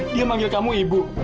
dia manggil kamu ibu